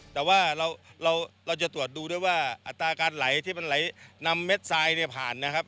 แต่ว่าเราจะตรวจดูด้วยว่าอัตราการไหลที่มันไหลนำเม็ดซายผ่าน